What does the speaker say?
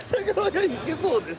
いけそうです。